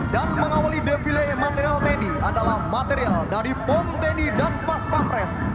dan mengawali defile material tni adalah material dari pom tni dan pas pamres